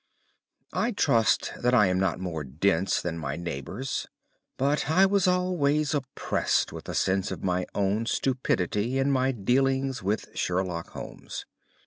I trust that I am not more dense than my neighbours, but I was always oppressed with a sense of my own stupidity in my dealings with Sherlock Holmes.